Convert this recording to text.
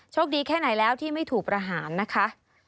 คดีแค่ไหนแล้วที่ไม่ถูกประหารนะคะ